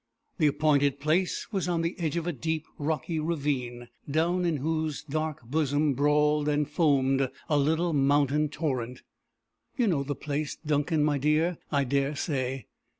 The appointed place was on the edge of a deep, rocky ravine, down in whose dark bosom brawled and foamed a little mountain torrent. You know the place, Duncan, my dear, I dare say."